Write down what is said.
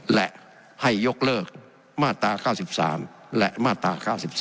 และให้ยกเลิกมาตรา๙๓และมาตรา๙๒